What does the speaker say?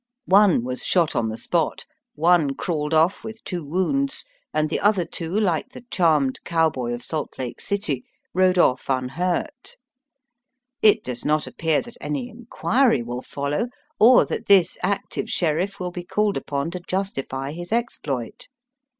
One was shot on the spot, one crawled off with two wounds, and the other two, like the charmed cowboy of Salt Lake City, rode off unhurt. It does not appear that any inquiry will follow, or that this active sheriff wiU be called upon to justify his exploit.